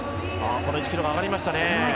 この１ｋｍも上がりましたね。